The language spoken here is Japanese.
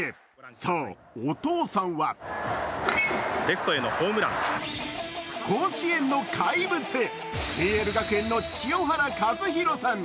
そう、お父さんは甲子園の怪物、ＰＬ学園の清原和博さん。